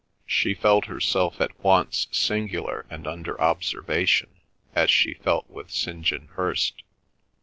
She felt herself at once singular and under observation, as she felt with St. John Hirst.